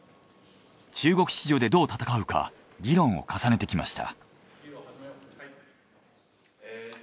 中国市場でどう戦うか議論を重ねてきました。